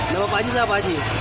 nama pak haji siapa